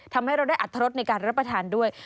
ทำให้เราได้อัตรสในการรับประทานด้วย